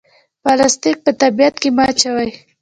پلاستیک په طبیعت کې مه اچوئ